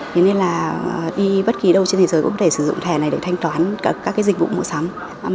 thế nên là đi bất kỳ đâu trên thế giới cũng có thể sử dụng thẻ này để thanh toán các dịch vụ mua sắm